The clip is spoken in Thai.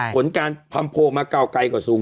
ผลการพรรมโพลมาเก่าไกลกว่าสูง